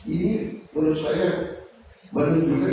ini menurut saya menurut saya